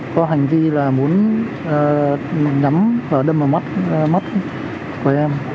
có hành vi là muốn nhắm vào đâm vào mắt của em